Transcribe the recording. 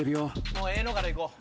もうええのからいこう。